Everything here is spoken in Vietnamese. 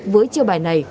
với chiều bài này